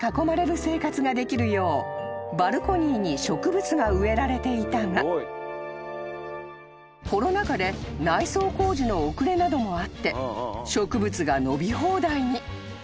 ［ができるようバルコニーに植物が植えられていたがコロナ禍で内装工事の遅れなどもあって植物が伸び放題に］